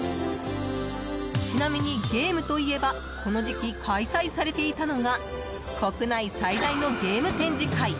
ちなみに、ゲームといえばこの時期、開催されていたのが国内最大のゲーム展示会